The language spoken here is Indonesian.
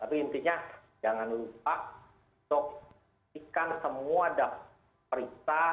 tapi intinya jangan lupa untuk memastikan semua daftar periksa